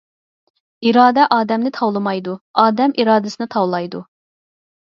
ئىرادە ئادەمنى تاۋلىمايدۇ، ئادەم ئىرادىسىنى تاۋلايدۇ!